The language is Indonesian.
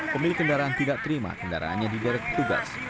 pemilik kendaraan tidak terima kendaraannya diderek petugas